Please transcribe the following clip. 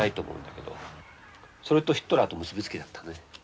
それとヒトラーと結び付けちゃったのね。